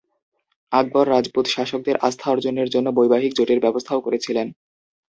আকবর রাজপুত শাসকদের আস্থা অর্জনের জন্য বৈবাহিক জোটের ব্যবস্থাও করেছিলেন।